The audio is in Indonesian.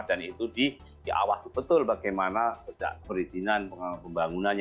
dan itu diawas betul bagaimana perizinan pembangunannya